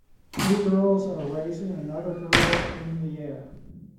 Two girls are raising another girl in the air